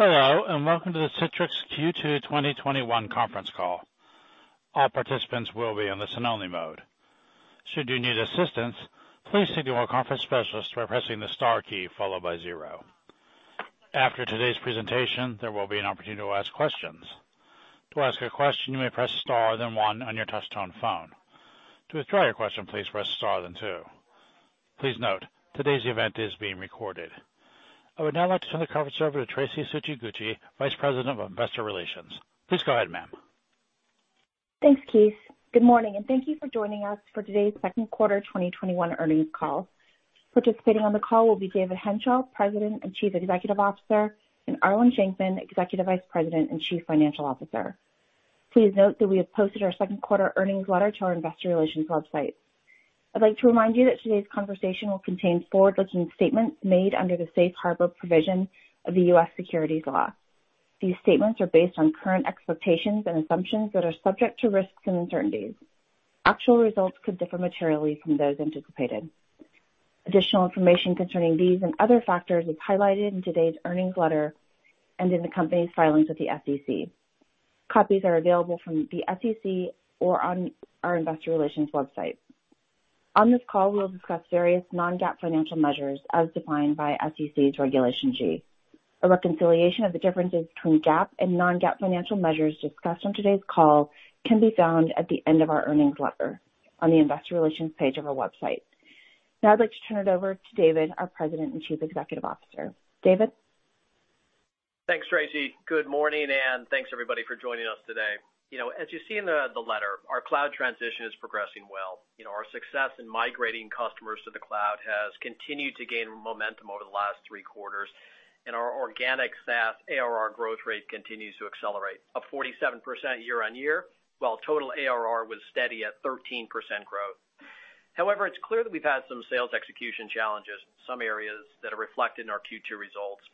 Hello, and welcome to the Citrix Q2 2021 Conference Call. All participants will be on the listen-only mode. Should you need assistance, please signal a conference specialist by pressing the star key followed by zero. After today's presentation, there will be an opportunity to ask questions. To ask a question, you may press star, then one on your touch-tone phone. To withdraw your question, please press star, then two. Please note, today's event is being recorded. I would now like to turn the conference over to Traci Tsuchiguchi, Vice President of Investor Relations. Please go ahead, ma'am. Thanks, Keith. Good morning, and thank you for joining us for today's Second Quarter 2021 Earnings Call. Participating on the call will be David Henshall, President and Chief Executive Officer, and Arlen Shenkman, Executive Vice President and Chief Financial Officer. Please note that we have posted our second quarter earnings letter to our investor relations website. I'd like to remind you that today's conversation will contain forward-looking statements made under the Safe Harbor provision of the U.S. securities law. These statements are based on current expectations and assumptions that are subject to risks and uncertainties. Actual results could differ materially from those anticipated. Additional information concerning these and other factors is highlighted in today's earnings letter and in the company's filings with the SEC. Copies are available from the SEC or on our investor relations website. On this call, we will discuss various non-GAAP financial measures as defined by SEC's Regulation G. A reconciliation of the differences between GAAP and non-GAAP financial measures discussed on today's call can be found at the end of our earnings letter on the investor relations page of our website. Now I'd like to turn it over to David, our President and Chief Executive Officer. David? Thanks, Traci. Good morning, and thanks, everybody, for joining us today. As you see in the letter, our cloud transition is progressing well. Our success in migrating customers to the cloud has continued to gain momentum over the last three quarters, and our organic SaaS ARR growth rate continues to accelerate, up 47% year-on-year, while total ARR was steady at 13% growth. However, it's clear that we've had some sales execution challenges, some areas that are reflected in our Q2 results.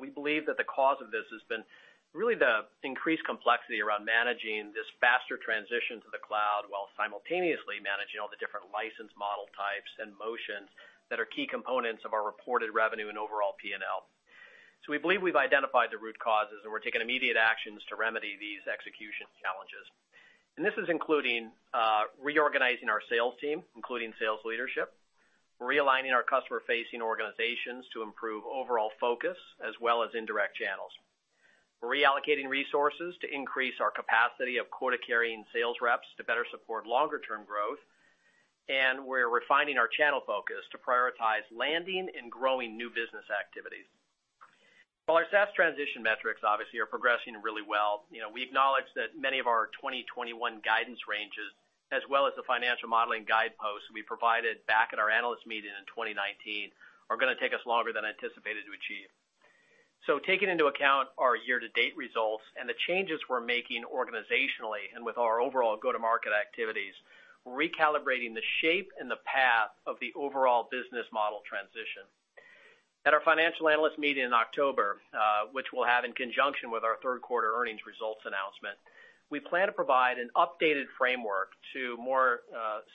We believe that the cause of this has been really the increased complexity around managing this faster transition to the cloud while simultaneously managing all the different license model types and motions that are key components of our reported revenue and overall P&L. We believe we've identified the root causes, and we're taking immediate actions to remedy these execution challenges. This is including reorganizing our sales team, including sales leadership. We're realigning our customer-facing organizations to improve overall focus, as well as indirect channels. We're reallocating resources to increase our capacity of quota-carrying sales reps to better support longer-term growth. We're refining our channel focus to prioritize landing and growing new business activities. While our SaaS transition metrics obviously are progressing really well, we acknowledge that many of our 2021 guidance ranges, as well as the financial modeling guideposts we provided back at our analyst meeting in 2019, are going to take us longer than anticipated to achieve. Taking into account our year-to-date results and the changes we're making organizationally and with our overall go-to-market activities, we're recalibrating the shape and the path of the overall business model transition. At our financial analyst meeting in October, which we'll have in conjunction with our third quarter earnings results announcement, we plan to provide an updated framework to more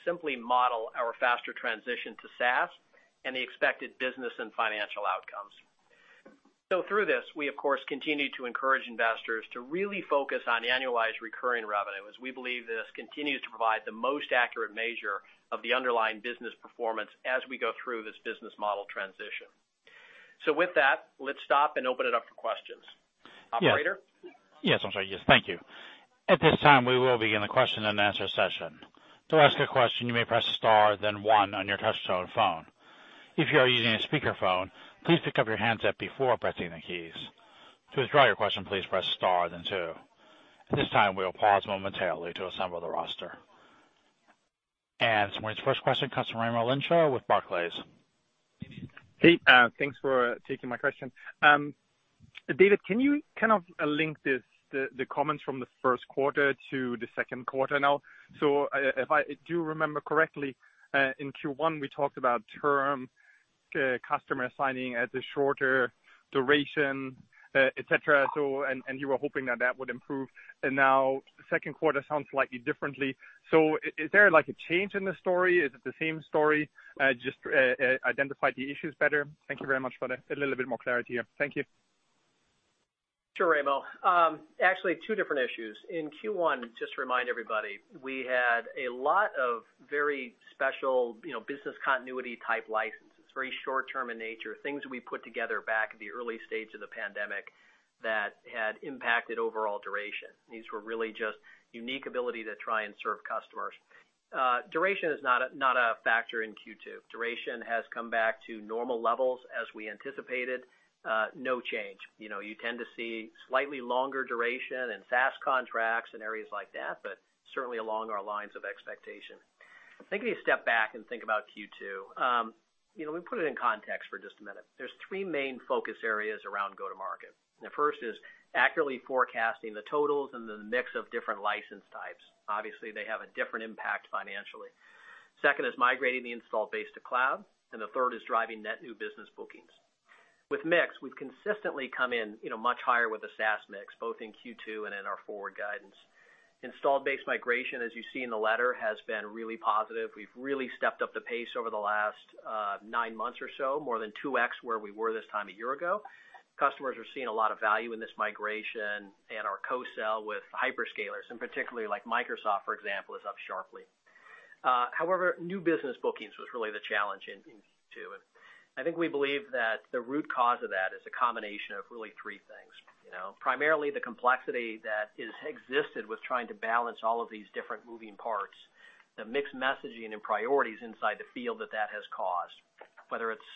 simply model our faster transition to SaaS and the expected business and financial outcomes. Through this, we of course continue to encourage investors to really focus on annualized recurring revenue, as we believe this continues to provide the most accurate measure of the underlying business performance as we go through this business model transition. With that, let's stop and open it up for questions. Operator? Yes. I'm sorry. Yes. Thank you. At this time, we will begin the question-and-answer session. To ask a question you may press star then one on your touch tone phone, if your using speaker phone, please pick-up your handset before pressing the keys. To withdraw your question please press star then two. This time we pause momentarily to assemble the roster. This morning's first question comes from Raimo Lenschow with Barclays. Hey. Thanks for taking my question. David, can you link the comments from the first quarter to the second quarter now? If you remember correctly, in Q1, we talked about term customer signing as a shorter duration, et cetera, and you were hoping that that would improve, and now the second quarter sounds slightly differently. Is there a change in the story? Is it the same story, just identified the issues better? Thank you very much for that. A little bit more clarity here. Thank you. Sure, Raimo. Actually, two different issues. In Q1, just to remind everybody, we had a lot of very special business continuity-type licenses, very short-term in nature, things we put together back at the early stage of the pandemic that had impacted overall duration. These were really just unique ability to try and serve customers. Duration is not a factor in Q2. Duration has come back to normal levels as we anticipated. No change. You tend to see slightly longer duration in SaaS contracts and areas like that, but certainly along our lines of expectation. I think we need to step back and think about Q2. Let me put it in context for just a minute. There's three main focus areas around go-to-market. The first is accurately forecasting the totals and the mix of different license types. Obviously, they have a different impact financially. Second is migrating the install base to cloud, and the third is driving net new business bookings. With mix, we've consistently come in much higher with the SaaS mix, both in Q2 and in our forward guidance. Installed base migration, as you see in the letter, has been really positive. We've really stepped up the pace over the last nine months or so, more than 2x where we were this time a year ago. Customers are seeing a lot of value in this migration and our co-sell with hyperscalers, and particularly like Microsoft, for example, is up sharply. However, new business bookings was really the challenge in Q2. I think we believe that the root cause of that is a combination of really three things. Primarily the complexity that has existed with trying to balance all of these different moving parts, the mixed messaging and priorities inside the field that that has caused, whether it's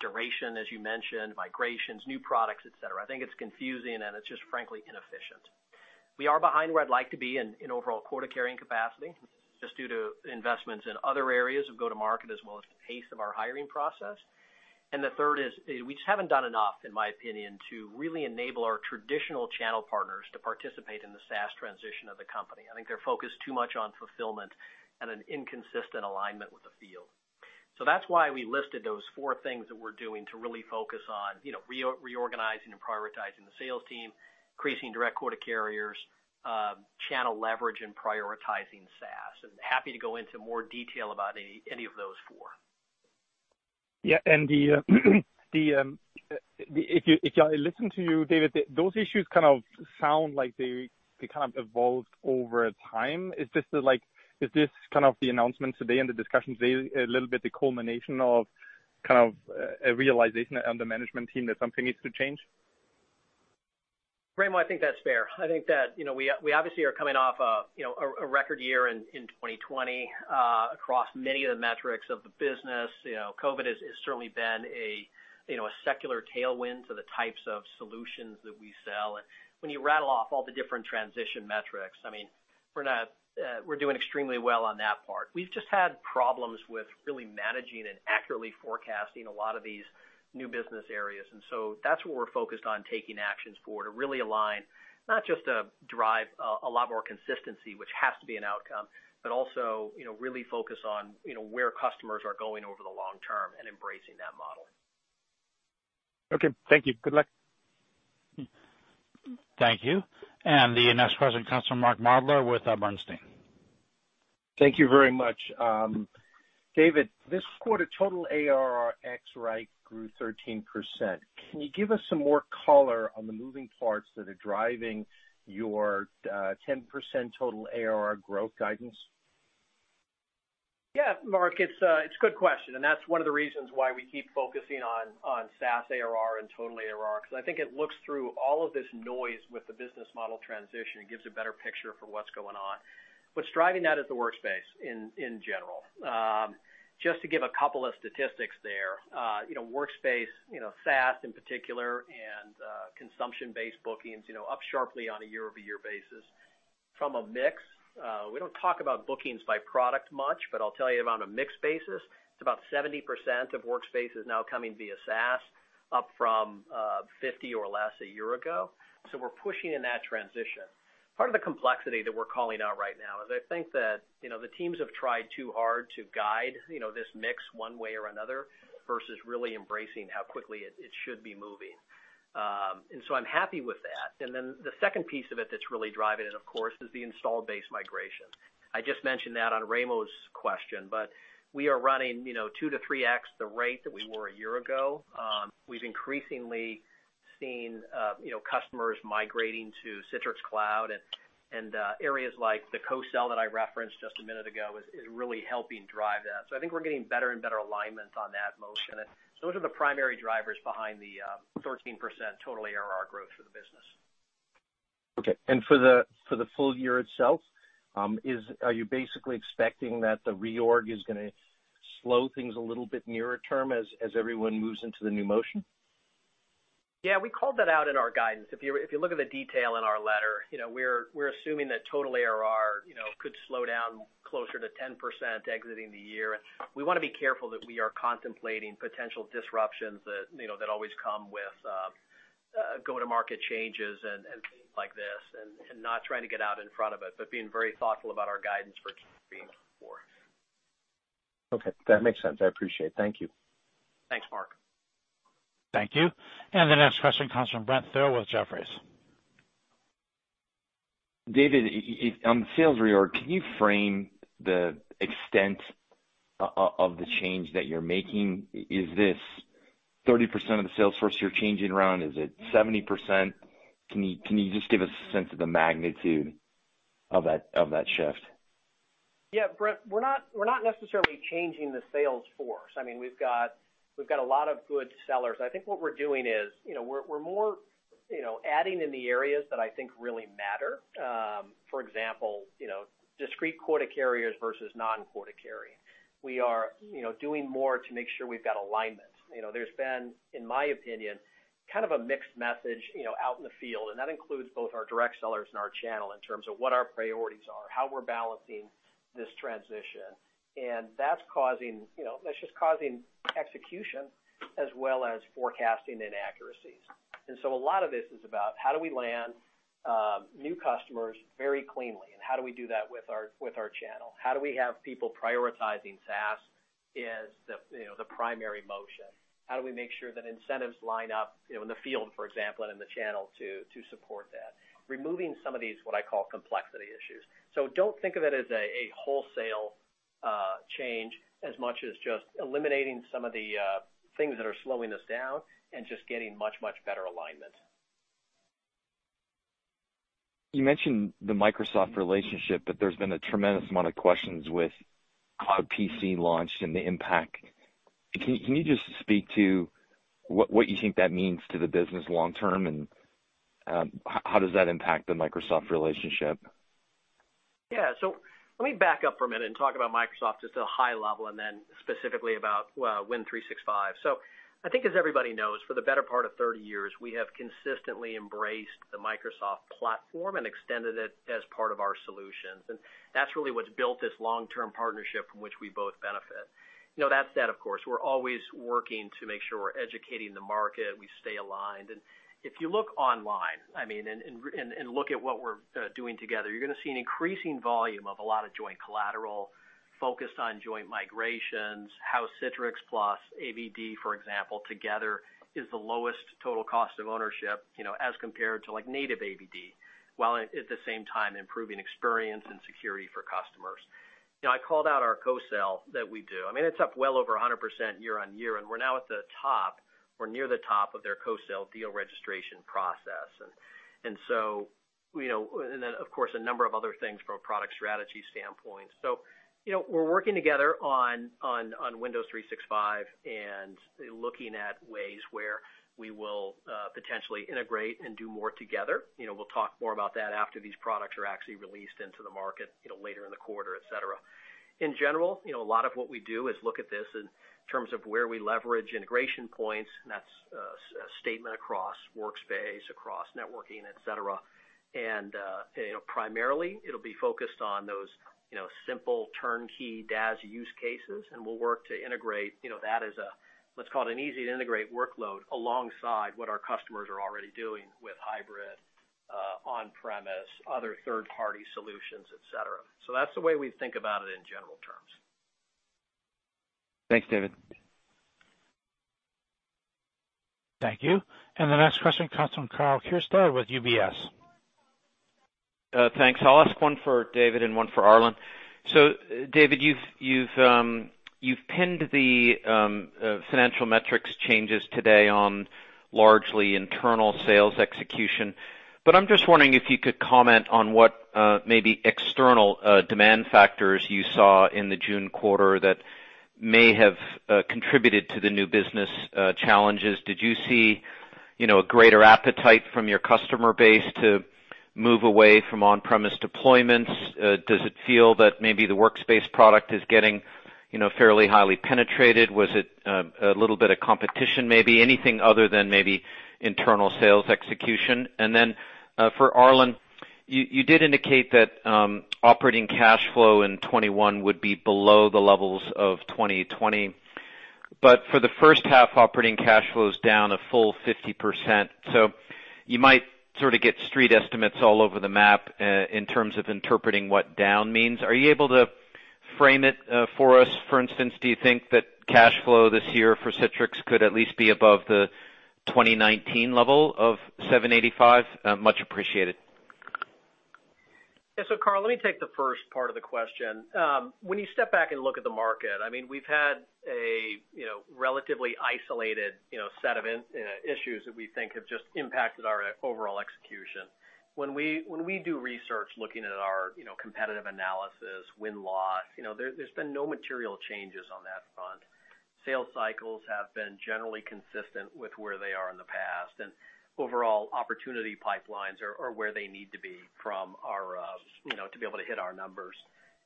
duration, as you mentioned, migrations, new products, et cetera. I think it's confusing and it's just frankly inefficient. We are behind where I'd like to be in overall quota-carrying capacity, just due to investments in other areas of go-to-market as well as the pace of our hiring process. The third is we just haven't done enough, in my opinion, to really enable our traditional channel partners to participate in the SaaS transition of the company. I think they're focused too much on fulfillment and an inconsistent alignment with the field. That's why we listed those four things that we're doing to really focus on reorganizing and prioritizing the sales team, increasing direct quota carriers, channel leverage, and prioritizing SaaS. Happy to go into more detail about any of those four. Yeah. If I listen to you, David, those issues kind of sound like they kind of evolved over time. Is this kind of the announcement today and the discussions today a little bit the culmination of kind of a realization on the management team that something needs to change? Raimo, I think that's fair. I think that we obviously are coming off a record year in 2020, across many of the metrics of the business. COVID has certainly been a secular tailwind to the types of solutions that we sell. When you rattle off all the different transition metrics, we're doing extremely well on that part. We've just had problems with really managing and accurately forecasting a lot of these new business areas. That's what we're focused on taking actions for, to really align, not just to drive a lot more consistency, which has to be an outcome, but also really focus on where customers are going over the long term and embracing that model. Okay. Thank you. Good luck. Thank you. The next question comes from Mark Moerdler with Bernstein. Thank you very much. David, this quarter, total ARR ex Wrike grew 13%. Can you give us some more color on the moving parts that are driving your 10% total ARR growth guidance? Yeah, Mark, it's a good question. That's one of the reasons why we keep focusing on SaaS ARR and total ARR. I think it looks through all of this noise with the business model transition and gives a better picture for what's going on. What's driving that is the Workspace in general. Just to give two statistics there. Workspace, SaaS in particular, and consumption-based bookings up sharply on a year-over-year basis. From a mix, we don't talk about bookings by product much. I'll tell you on a mix basis, it's about 70% of Workspace is now coming via SaaS, up from 50 or less a year ago. We're pushing in that transition. Part of the complexity that we're calling out right now is I think that the teams have tried too hard to guide this mix one way or another versus really embracing how quickly it should be moving. I'm happy with that. The second piece of it that's really driving it, of course, is the installed base migration. I just mentioned that on Raimo's question, but we are running 2x to 3x the rate that we were a year ago. We've increasingly seen customers migrating to Citrix Cloud, and areas like the co-sell that I referenced just a minute ago is really helping drive that. I think we're getting better and better alignment on that motion. Those are the primary drivers behind the 13% total ARR growth for the business. Okay. For the full year itself, are you basically expecting that the reorg is going to slow things a little bit nearer term as everyone moves into the new motion? Yeah, we called that out in our guidance. If you look at the detail in our letter, we're assuming that total ARR could slow down closer to 10% exiting the year. We want to be careful that we are contemplating potential disruptions that always come with go-to-market changes and things like this, and not trying to get out in front of it, but being very thoughtful about our guidance for Q4. Okay. That makes sense. I appreciate it. Thank you. Thanks, Mark. Thank you. The next question comes from Brent Thill with Jefferies. David, on the sales reorg, can you frame the extent of the change that you're making? Is this 30% of the sales force you're changing around? Is it 70%? Can you just give us a sense of the magnitude of that shift? Yeah, Brent, we're not necessarily changing the sales force. We've got a lot of good sellers. I think what we're doing is we're more adding in the areas that I think really matter. For example, discrete quota carriers versus non-quota carrying. We are doing more to make sure we've got alignment. There's been, in my opinion, kind of a mixed message out in the field, that includes both our direct sellers and our channel in terms of what our priorities are, how we're balancing this transition. That's just causing execution as well as forecasting inaccuracies. A lot of this is about how do we land new customers very cleanly, and how do we do that with our channel? How do we have people prioritizing SaaS is the primary motion. How do we make sure that incentives line up in the field, for example, and in the channel to support that? Removing some of these, what I call complexity issues. Don't think of it as a wholesale change as much as just eliminating some of the things that are slowing us down and just getting much, much better alignment. You mentioned the Microsoft relationship. There's been a tremendous amount of questions with Cloud PC launch and the impact. Can you just speak to what you think that means to the business long term, and how does that impact the Microsoft relationship? Yeah. Let me back up for a minute and talk about Microsoft just at a high level and then specifically about Window 365. I think as everybody knows, for the better part of 30 years, we have consistently embraced the Microsoft platform and extended it as part of our solutions. That's really what's built this long-term partnership from which we both benefit. That said, of course, we're always working to make sure we're educating the market, we stay aligned. If you look online and look at what we're doing together, you're going to see an increasing volume of a lot of joint collateral focused on joint migrations, how Citrix + AVD, for example, together is the lowest total cost of ownership as compared to native AVD, while at the same time improving experience and security for customers. I called out our co-sell that we do. It's up well over 100% year-on-year, and we're now at the top or near the top of their co-sell deal registration process. Then, of course, a number of other things from a product strategy standpoint. We're working together on Windows 365 and looking at ways where we will potentially integrate and do more together. We'll talk more about that after these products are actually released into the market later in the quarter, et cetera. In general, a lot of what we do is look at this in terms of where we leverage integration points, and that's a statement across Workspace, across networking, et cetera. Primarily it'll be focused on those simple turnkey DaaS use cases, we'll work to integrate that as a, let's call it an easy to integrate workload alongside what our customers are already doing with hybrid, on-premise, other third-party solutions, et cetera. That's the way we think about it in general terms. Thanks, David. Thank you. The next question comes from Karl Keirstead with UBS. Thanks. I'll ask one for David and one for Arlen. David, you've pinned the financial metrics changes today on largely internal sales execution. I'm just wondering if you could comment on what maybe external demand factors you saw in the June quarter that may have contributed to the new business challenges. Did you see a greater appetite from your customer base to move away from on-premise deployments? Does it feel that maybe the Citrix Workspace is getting fairly highly penetrated? Was it a little bit of competition, maybe? Anything other than maybe internal sales execution. For Arlen, you did indicate that operating cash flow in 2021 would be below the levels of 2020. For the first half, operating cash flow is down a full 50%. You might sort of get street estimates all over the map in terms of interpreting what down means. Are you able to frame it for us? For instance, do you think that cash flow this year for Citrix could at least be above the 2019 level of $785? Much appreciated. Yeah. Karl, let me take the first part of the question. When you step back and look at the market, we've had a relatively isolated set of issues that we think have just impacted our overall execution. When we do research looking at our competitive analysis, win-loss, there's been no material changes on that front. Sales cycles have been generally consistent with where they are in the past, and overall opportunity pipelines are where they need to be to be able to hit our numbers.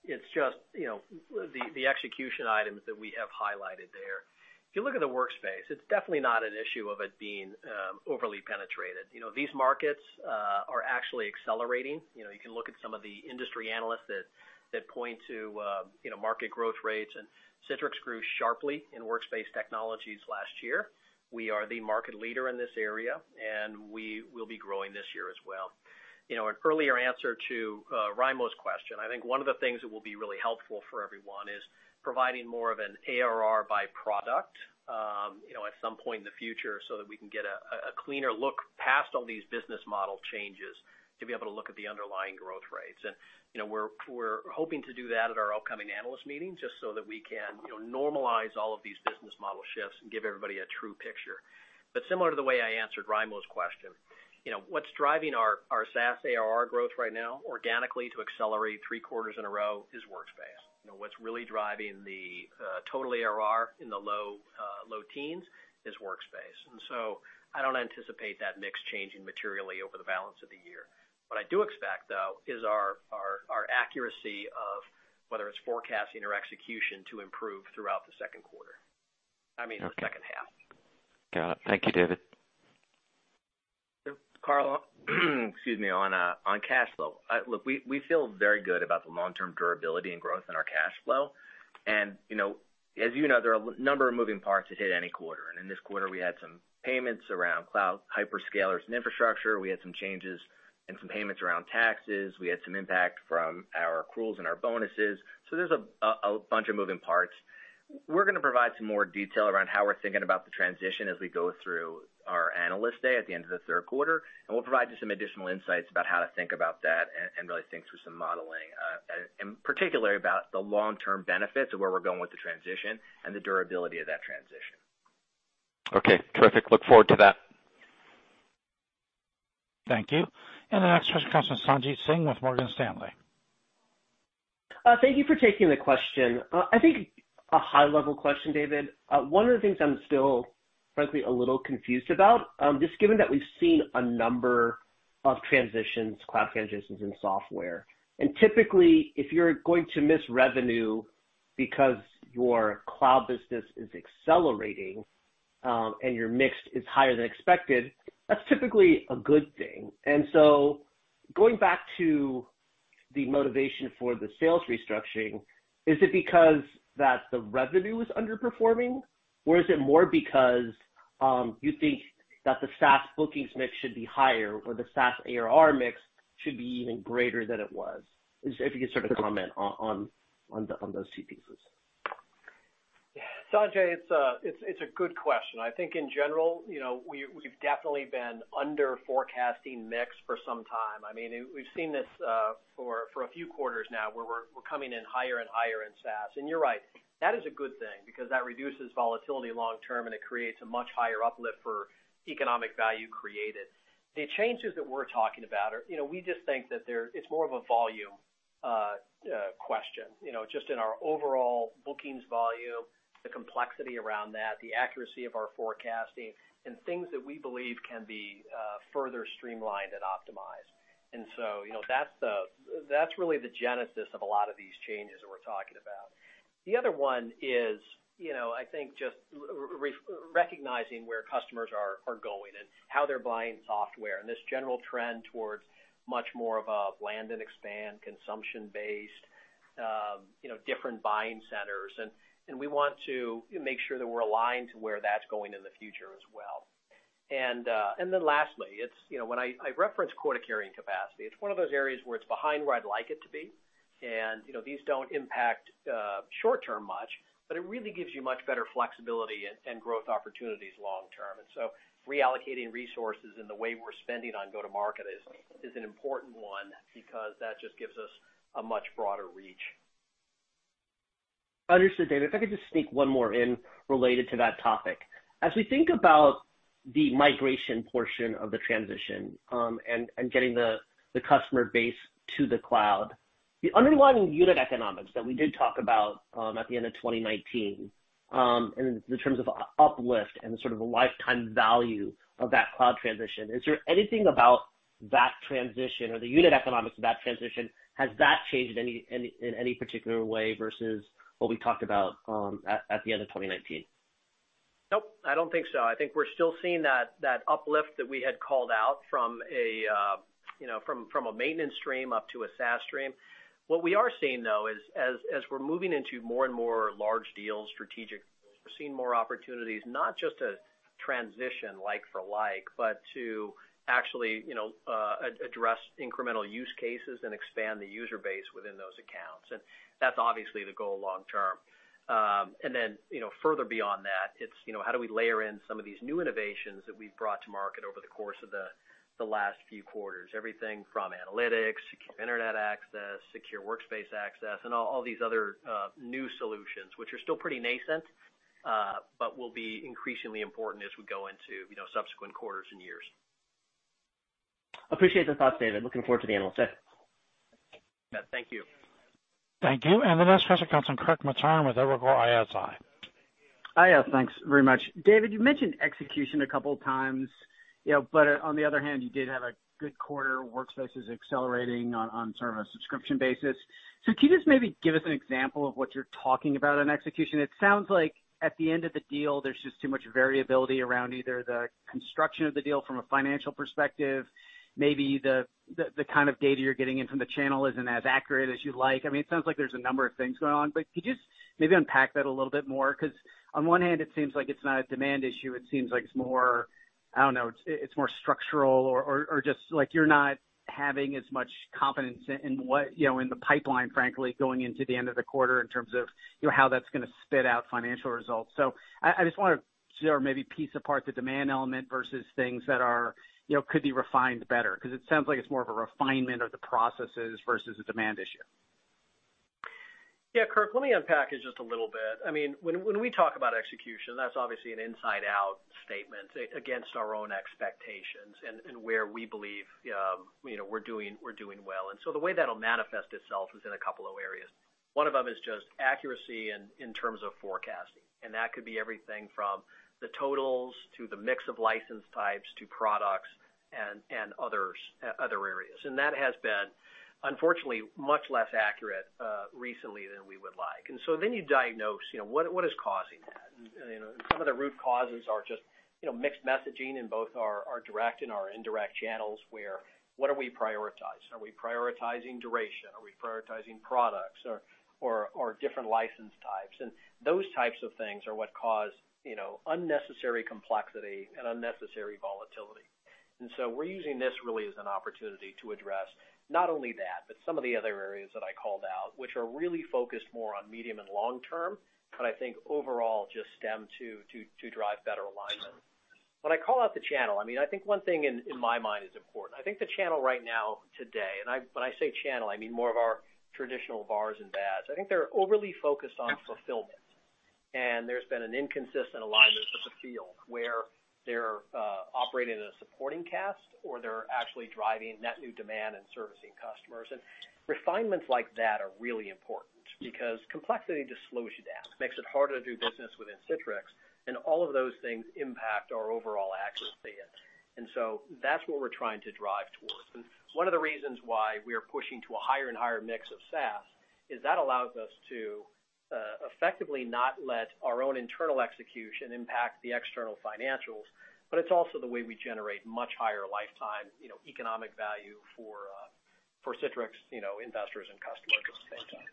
It's just the execution items that we have highlighted there. If you look at the Workspace, it's definitely not an issue of it being overly penetrated. These markets are actually accelerating. You can look at some of the industry analysts that point to market growth rates, and Citrix grew sharply in Workspace technologies last year. We are the market leader in this area, and we will be growing this year as well. An earlier answer to Raimo's question, I think one of the things that will be really helpful for everyone is providing more of an ARR by product at some point in the future so that we can get a cleaner look past all these business model changes to be able to look at the underlying growth rates. We're hoping to do that at our upcoming analyst meeting just so that we can normalize all of these business model shifts and give everybody a true picture. Similar to the way I answered Raimo's question, what's driving our SaaS ARR growth right now organically to accelerate three quarters in a row is Workspace. What's really driving the total ARR in the low teens is Workspace. I don't anticipate that mix changing materially over the balance of the year. What I do expect, though, is our accuracy of whether it's forecasting or execution to improve throughout the second quarter. I mean the second half. Got it. Thank you, David. Karl, excuse me, on cash flow. Look, we feel very good about the long-term durability and growth in our cash flow. As you know, there are a number of moving parts that hit any quarter. In this quarter, we had some payments around cloud hyperscalers and infrastructure. We had some changes and some payments around taxes. We had some impact from our accruals and our bonuses. There's a bunch of moving parts. We're going to provide some more detail around how we're thinking about the transition as we go through our analyst day at the end of the third quarter. We'll provide you some additional insights about how to think about that and really think through some modeling. Particularly about the long-term benefits of where we're going with the transition and the durability of that transition. Okay, terrific. Look forward to that. Thank you. The next question comes from Sanjit Singh with Morgan Stanley. Thank you for taking the question. I think a high-level question, David. One of the things I'm still, frankly, a little confused about, just given that we've seen a number of transitions, cloud transitions in software. Typically, if you're going to miss revenue because your cloud business is accelerating, and your mix is higher than expected, that's typically a good thing. Going back to the motivation for the sales restructuring, is it because that the revenue was underperforming, or is it more because, you think that the SaaS bookings mix should be higher, or the SaaS ARR mix should be even greater than it was? If you could sort of comment on those two pieces. Sanjit, it's a good question. I think in general, we've definitely been under-forecasting mix for some time. We've seen this for a few quarters now, where we're coming in higher and higher in SaaS. You're right, that is a good thing because that reduces volatility long term, and it creates a much higher uplift for economic value created. The changes that we're talking about are, we just think that it's more of a volume question. Just in our overall bookings volume, the complexity around that, the accuracy of our forecasting, and things that we believe can be further streamlined and optimized. That's really the genesis of a lot of these changes that we're talking about. The other one is, I think just recognizing where customers are going and how they're buying software, and this general trend towards much more of a land and expand, consumption-based, different buying centers, and we want to make sure that we're aligned to where that's going in the future as well. Lastly, when I reference quota carrying capacity, it's one of those areas where it's behind where I'd like it to be. These don't impact short term much, but it really gives you much better flexibility and growth opportunities long term. Reallocating resources in the way we're spending on go-to-market is an important one because that just gives us a much broader reach. Understood, David. If I could just sneak one more in related to that topic. As we think about the migration portion of the transition, and getting the customer base to the cloud, the underlying unit economics that we did talk about, at the end of 2019, in terms of uplift and the sort of lifetime value of that cloud transition, is there anything about that transition or the unit economics of that transition, has that changed in any particular way versus what we talked about at the end of 2019? Nope, I don't think so. I think we're still seeing that uplift that we had called out from a maintenance stream up to a SaaS stream. What we are seeing, though, is as we're moving into more and more large deals, strategic deals, we're seeing more opportunities, not just to transition like for like, but to actually address incremental use cases and expand the user base within those accounts. That's obviously the goal long term. Then, further beyond that, it's how do we layer in some of these new innovations that we've brought to market over the course of the last few quarters. Everything from Analytics, Secure Internet Access, Secure Workspace Access, and all these other new solutions, which are still pretty nascent, but will be increasingly important as we go into subsequent quarters and years. Appreciate the thoughts, David. Looking forward to the Analyst Day. Yeah, thank you. Thank you. The next question comes from Kirk Materne with Evercore ISI. Hi. Yeah, thanks very much. David, you mentioned execution a couple of times. On the other hand, you did have a good quarter. Workspace is accelerating on sort of a subscription basis. Can you just maybe give us an example of what you're talking about on execution? It sounds like at the end of the deal, there's just too much variability around either the construction of the deal from a financial perspective, maybe the kind of data you're getting in from the channel isn't as accurate as you'd like. It sounds like there's a number of things going on, could you just maybe unpack that a little bit more? On one hand, it seems like it's not a demand issue. It seems like it's more, I don't know, it's more structural or just like you're not having as much confidence in the pipeline, frankly, going into the end of the quarter in terms of how that's going to spit out financial results. I just want to maybe piece apart the demand element versus things that could be refined better, because it sounds like it's more of a refinement of the processes versus a demand issue. Kirk, let me unpack it just a little bit. When we talk about execution, that's obviously an inside out statement against our own expectations and where we believe we're doing well. The way that'll manifest itself is in a couple of areas. One of them is just accuracy in terms of forecasting, and that could be everything from the totals to the mix of license types to products and other areas. That has been, unfortunately, much less accurate recently than we would like. Then you diagnose what is causing that. Some of the root causes are just mixed messaging in both our direct and our indirect channels, where what are we prioritizing? Are we prioritizing duration? Are we prioritizing products or different license types? Those types of things are what cause unnecessary complexity and unnecessary volatility. We're using this really as an opportunity to address not only that, but some of the other areas that I called out, which are really focused more on medium and long term, but I think overall, just stem to drive better alignment. When I call out the channel, I think one thing in my mind is important. I think the channel right now, today, and when I say channel, I mean more of our traditional VARs and VADs. I think they're overly focused on fulfillment. There's been an inconsistent alignment with the field where they're operating in a supporting cast, or they're actually driving net new demand and servicing customers. Refinements like that are really important because complexity just slows you down, makes it harder to do business within Citrix, and all of those things impact our overall accuracy. That's what we're trying to drive towards. One of the reasons why we are pushing to a higher and higher mix of SaaS is that allows us to effectively not let our own internal execution impact the external financials, but it's also the way we generate much higher lifetime economic value for Citrix investors and customers at the same time.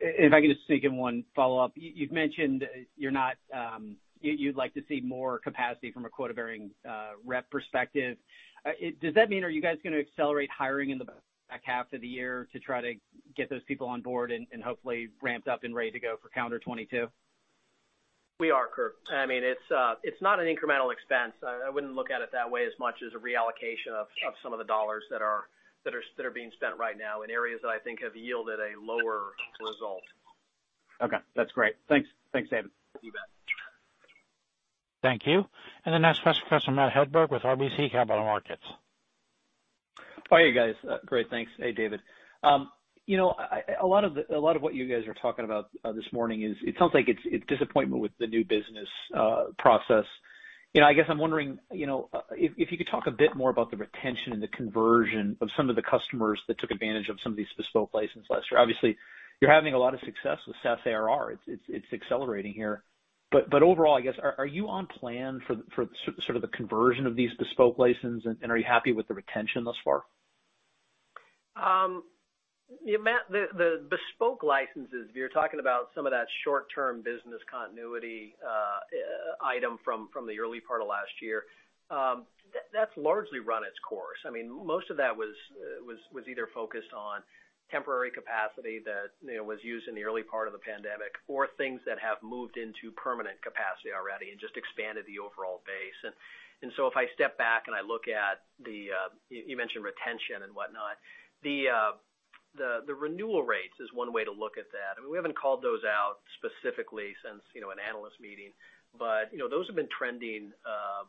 If I could just sneak in one follow-up. You've mentioned you'd like to see more capacity from a quota-bearing rep perspective. Does that mean are you guys going to accelerate hiring in the back half of the year to try to get those people on board and hopefully ramped up and ready to go for calendar 2022? We are, Kirk. It's not an incremental expense. I wouldn't look at it that way as much as a reallocation of some of the dollars that are being spent right now in areas that I think have yielded a lower result. Okay. That's great. Thanks, David. You bet. Thank you. The next question, Matt Hedberg with RBC Capital Markets. How are you guys? Great, thanks. Hey, David. A lot of what you guys are talking about this morning is, it sounds like it's disappointment with the new business process. I guess I'm wondering, if you could talk a bit more about the retention and the conversion of some of the customers that took advantage of some of these bespoke licenses last year. Obviously, you're having a lot of success with SaaS ARR. It's accelerating here. Overall, I guess, are you on plan for sort of the conversion of these bespoke license, and are you happy with the retention thus far? Matt, the bespoke licenses, if you're talking about some of that short-term business continuity item from the early part of last year. That's largely run its course. Most of that was either focused on temporary capacity that was used in the early part of the pandemic or things that have moved into permanent capacity already and just expanded the overall base. If I step back and I look at the, you mentioned retention and whatnot. The renewal rates is one way to look at that. We haven't called those out specifically since an analyst meeting, but those have been trending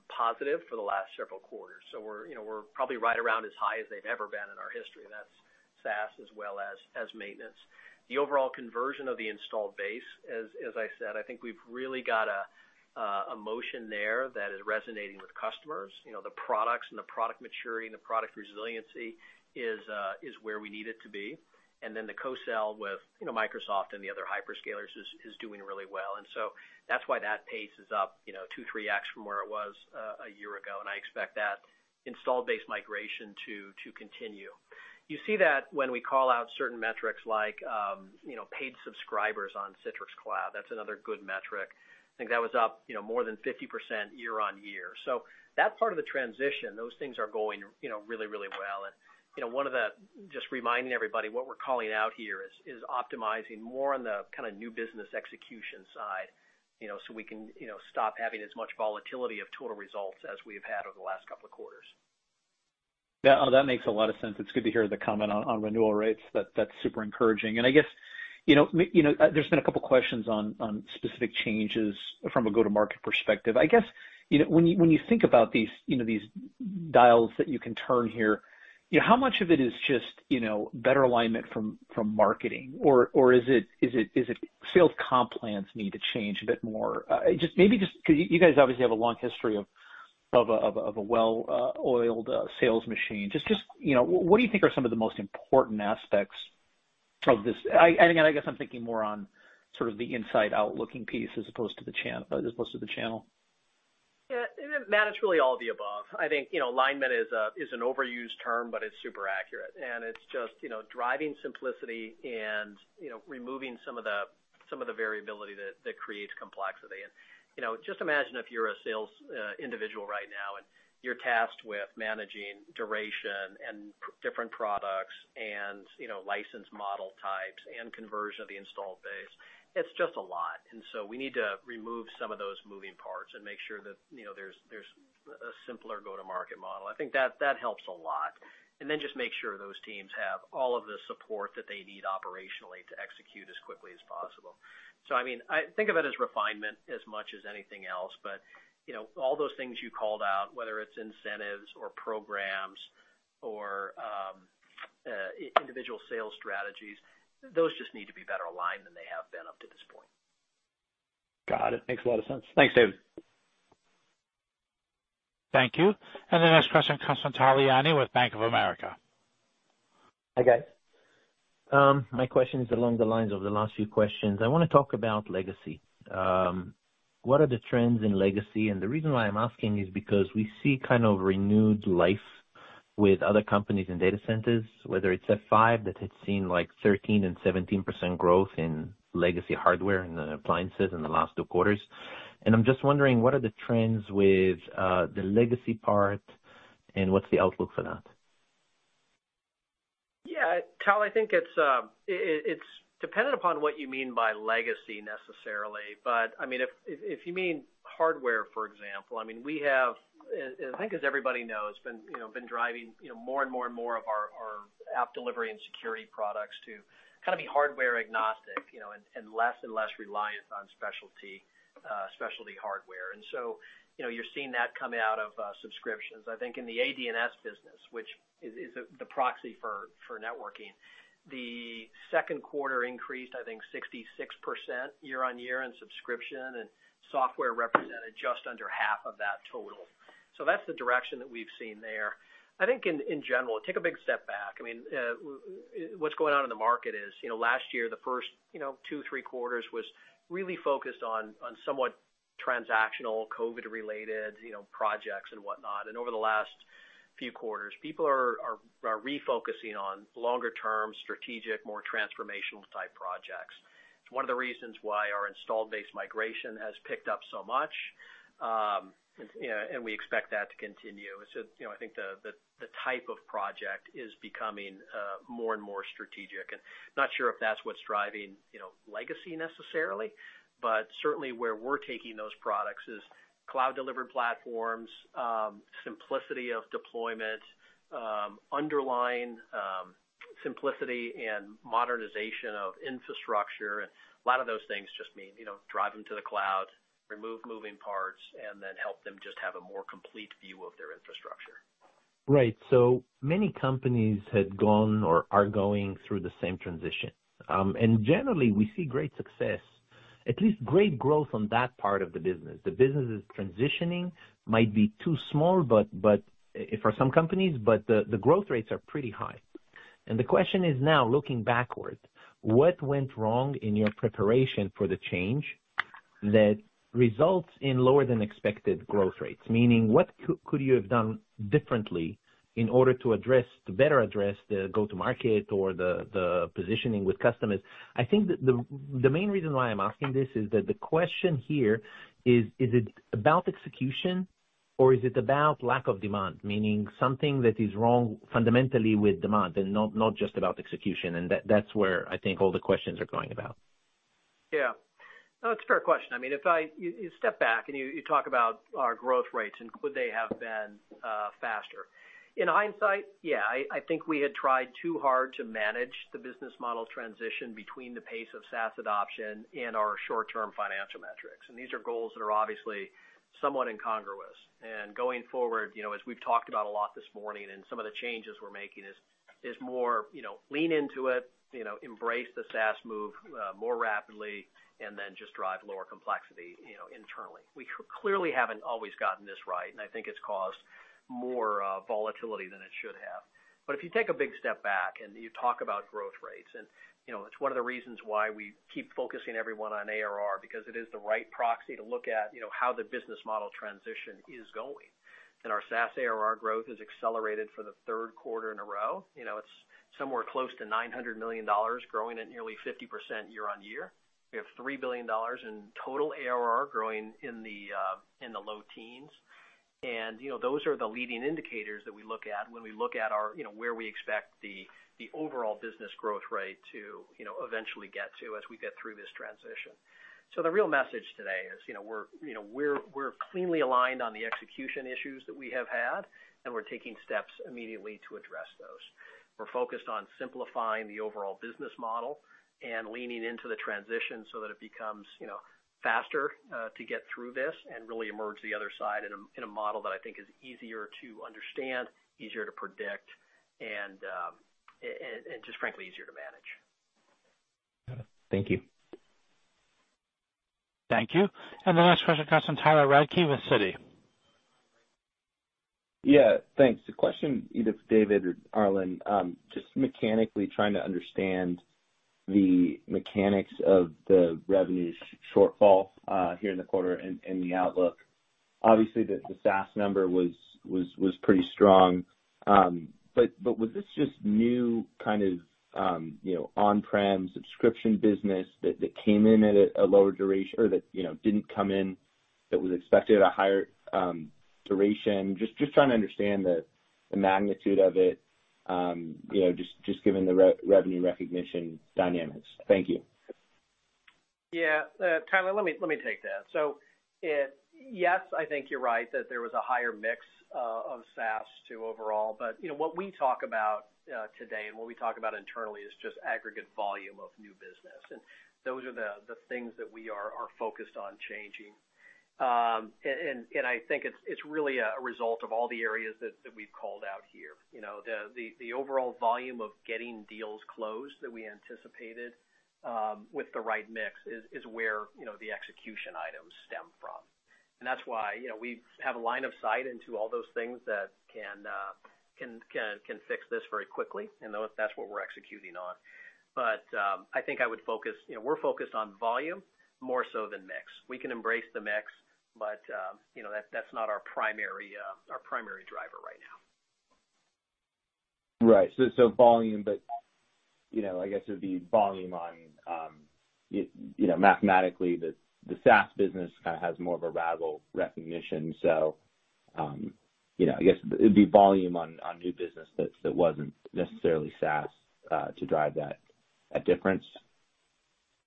positive for the last several quarters. We're probably right around as high as they've ever been in our history, and that's SaaS as well as maintenance. The overall conversion of the installed base, as I said, I think we've really got a motion there that is resonating with customers. The products and the product maturity and the product resiliency is where we need it to be. The co-sell with Microsoft and the other hyperscalers is doing really well. That's why that pace is up 2x, 3x from where it was a year ago, and I expect that installed base migration to continue. You see that when we call out certain metrics like paid subscribers on Citrix Cloud. That's another good metric. I think that was up more than 50% year-on-year. That part of the transition, those things are going really well. Just reminding everybody what we're calling out here is optimizing more on the new business execution side so we can stop having as much volatility of total results as we have had over the last couple of quarters. Yeah. That makes a lot of sense. It's good to hear the comment on renewal rates. That's super encouraging. I guess, there's been a couple of questions on specific changes from a go-to-market perspective. I guess, when you think about these dials that you can turn here, how much of it is just better alignment from marketing? Or is it sales comp plans need to change a bit more? You guys obviously have a long history of a well-oiled sales machine. Just what do you think are some of the most important aspects of this? Again, I guess I'm thinking more on sort of the inside out looking piece as opposed to the channel. Matt, it's really all of the above. I think alignment is an overused term, but it's super accurate, and it's just driving simplicity and removing some of the variability that creates complexity. Just imagine if you're a sales individual right now, and you're tasked with managing duration and different products and license model types and conversion of the installed base. It's just a lot. We need to remove some of those moving parts and make sure that there's a simpler go-to-market model. I think that helps a lot. Just make sure those teams have all of the support that they need operationally to execute as quickly as possible. I think of it as refinement as much as anything else, but all those things you called out, whether it's incentives or programs or individual sales strategies, those just need to be better aligned than they have been up to this point. Got it. Makes a lot of sense. Thanks, David. Thank you. The next question comes from Tal Liani with Bank of America. Hi, guys. My question is along the lines of the last few questions. I want to talk about legacy. What are the trends in legacy? The reason why I'm asking is because we see kind of renewed life with other companies in data centers, whether it's F5 that had seen like 13% and 17% growth in legacy hardware and the appliances in the last two quarters. I'm just wondering, what are the trends with the legacy part, and what's the outlook for that? Yeah. Tal, I think it's dependent upon what you mean by legacy, necessarily. If you mean hardware, for example, we have, I think as everybody knows, been driving more and more and more of our app delivery and security products to kind of be hardware agnostic, and less and less reliant on specialty hardware. You're seeing that come out of subscriptions. I think in the ADC business, which is the proxy for networking, the second quarter increased, I think 66% year-on-year in subscription, and software represented just under half of that total. That's the direction that we've seen there. I think in general, take a big step back. What's going on in the market is, last year, the first two, three quarters was really focused on somewhat transactional, COVID-related projects and whatnot. Over the last few quarters, people are refocusing on longer-term, strategic, more transformational-type projects. It's one of the reasons why our installed base migration has picked up so much. We expect that to continue. I think the type of project is becoming more and more strategic. Not sure if that's what's driving legacy necessarily, but certainly where we're taking those products is Cloud Delivery Platforms, simplicity of deployment, underlying simplicity and modernization of infrastructure. A lot of those things just mean driving to the cloud, remove moving parts, help them just have a more complete view of their infrastructure. Right. Many companies had gone or are going through the same transition. Generally, we see great success, at least great growth on that part of the business. The business is transitioning, might be too small for some companies, but the growth rates are pretty high. The question is now, looking backwards, what went wrong in your preparation for the change that results in lower than expected growth rates? Meaning, what could you have done differently in order to better address the go-to-market or the positioning with customers? I think the main reason why I'm asking this is that the question here is it about execution, or is it about lack of demand? Meaning something that is wrong fundamentally with demand and not just about execution. That's where I think all the questions are going about. Yeah. No, it's a fair question. If you step back and you talk about our growth rates, and could they have been faster? In hindsight, yeah. I think we had tried too hard to manage the business model transition between the pace of SaaS adoption and our short-term financial metrics. These are goals that are obviously somewhat incongruous. Going forward, as we've talked about a lot this morning, and some of the changes we're making is more lean into it, embrace the SaaS move more rapidly, and then just drive lower complexity internally. We clearly haven't always gotten this right, and I think it's caused more volatility than it should have. If you take a big step back and you talk about growth rates, and it's one of the reasons why we keep focusing everyone on ARR, because it is the right proxy to look at how the business model transition is going. Our SaaS ARR growth has accelerated for the third quarter in a row. It's somewhere close to $900 million, growing at nearly 50% year-on-year. We have $3 billion in total ARR growing in the low teens. Those are the leading indicators that we look at when we look at where we expect the overall business growth rate to eventually get to as we get through this transition. The real message today is we're cleanly aligned on the execution issues that we have had, and we're taking steps immediately to address those. We're focused on simplifying the overall business model and leaning into the transition so that it becomes faster to get through this and really emerge the other side in a model that I think is easier to understand, easier to predict, and just frankly, easier to manage. Got it. Thank you. Thank you. The last question comes from Tyler Radke with Citi. Thanks. The question, either for David or Arlen, just mechanically trying to understand the mechanics of the revenue shortfall here in the quarter and the outlook. Obviously, the SaaS number was pretty strong. Was this just new kind of on-prem subscription business that came in at a lower duration, or that didn't come in that was expected at a higher duration? Just trying to understand the magnitude of it, just given the revenue recognition dynamics. Thank you. Yeah. Tyler, let me take that. Yes, I think you're right that there was a higher mix of SaaS too overall. What we talk about today and what we talk about internally is just aggregate volume of new business. Those are the things that we are focused on changing. I think it's really a result of all the areas that we've called out here. The overall volume of getting deals closed that we anticipated with the right mix is where the execution items stem from. That's why we have a line of sight into all those things that can fix this very quickly, and that's what we're executing on. I think we're focused on volume more so than mix. We can embrace the mix. That's not our primary driver right now. Right. volume, but I guess it would be volume on-- mathematically, the SaaS business has more of a ratable recognition. I guess it'd be volume on new business that wasn't necessarily SaaS to drive that difference.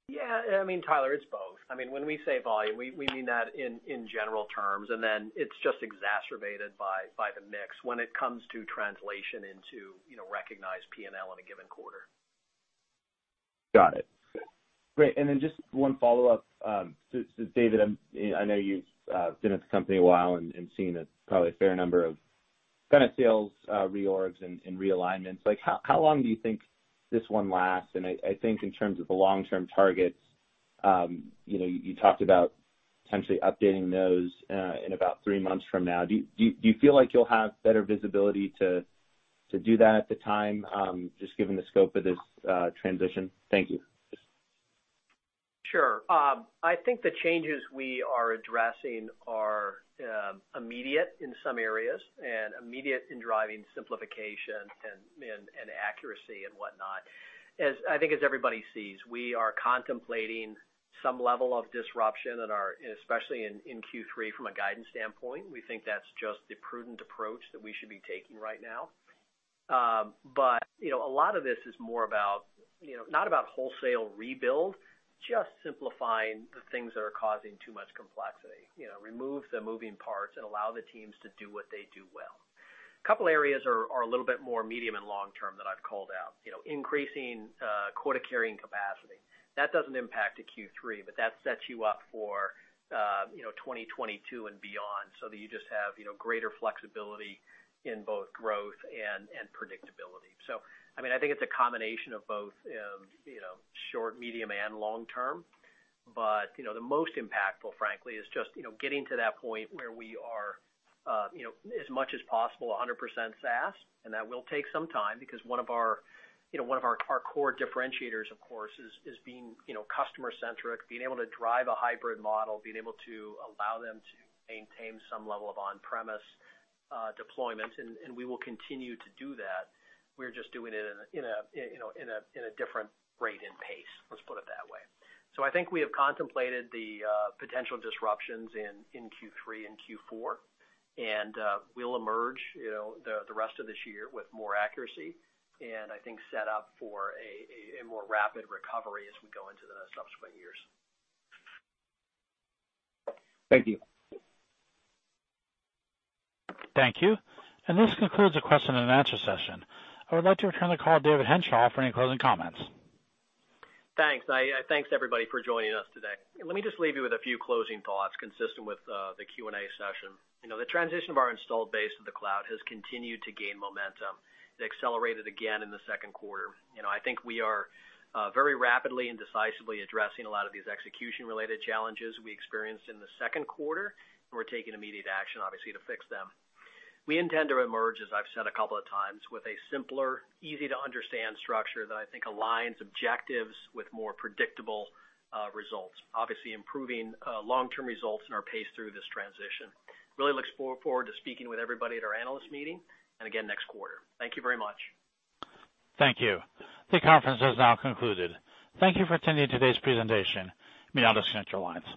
Yeah. I mean, Tyler, it's both. When we say volume, we mean that in general terms, and then it's just exacerbated by the mix when it comes to translation into recognized P&L in a given quarter. Got it. Great. Just one follow-up. David, I know you've been at the company a while and seen probably a fair number of kind of sales reorgs and realignments. How long do you think this one lasts? I think in terms of the long-term targets, you talked about potentially updating those in about three months from now. Do you feel like you'll have better visibility to do that at the time, just given the scope of this transition? Thank you. Sure. I think the changes we are addressing are immediate in some areas, and immediate in driving simplification and accuracy and whatnot. I think as everybody sees, we are contemplating some level of disruption especially in Q3 from a guidance standpoint. We think that's just the prudent approach that we should be taking right now. A lot of this is more about, not about wholesale rebuild, just simplifying the things that are causing too much complexity. Remove the moving parts and allow the teams to do what they do well. A couple areas are a little bit more medium and long term that I've called out. Increasing quota carrying capacity. That doesn't impact a Q3, that sets you up for 2022 and beyond, you just have greater flexibility in both growth and predictability. I think it's a combination of both short, medium, and long term. The most impactful, frankly, is just getting to that point where we are, as much as possible, 100% SaaS. That will take some time because one of our core differentiators, of course, is being customer-centric, being able to drive a hybrid model, being able to allow them to maintain some level of on-premise deployments, and we will continue to do that. We're just doing it in a different rate and pace, let's put it that way. I think we have contemplated the potential disruptions in Q3 and Q4, and we'll emerge the rest of this year with more accuracy, and I think set up for a more rapid recovery as we go into the subsequent years. Thank you. Thank you. This concludes the question and answer session. I would like to return the call to David Henshall for any closing comments. Thanks. Thanks everybody for joining us today. Let me just leave you with a few closing thoughts consistent with the Q&A session. The transition of our installed base to the cloud has continued to gain momentum. It accelerated again in the second quarter. I think we are very rapidly and decisively addressing a lot of these execution-related challenges we experienced in the second quarter, and we're taking immediate action, obviously, to fix them. We intend to emerge, as I've said a couple of times, with a simpler, easy to understand structure that I think aligns objectives with more predictable results. Obviously improving long-term results in our pace through this transition. Really look forward to speaking with everybody at our analyst meeting and again next quarter. Thank you very much. Thank you. The conference has now concluded. Thank you for attending today's presentation. You may disconnect your lines.